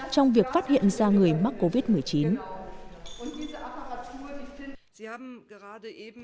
trong việc phát hiện ra người mắc covid một mươi chín